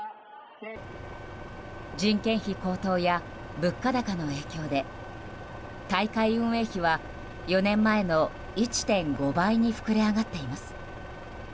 人件費高騰や物価高の影響で大会運営費は４年前の１．５倍に膨れ上がっています。